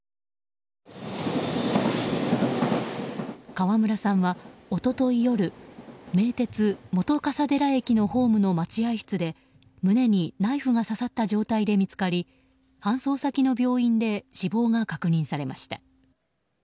川村さんは一昨日夜名鉄本笠寺駅のホームの待合室で胸にナイフが刺さった状態で見つかり搬送先の病院で死亡が確認されました。